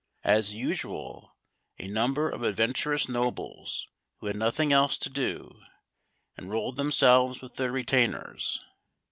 As usual, a number of adventurous nobles, who had nothing else to do, enrolled themselves with their retainers.